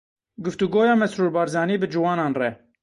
Guftûgoya Mesrûr Barzanî bi ciwanan re.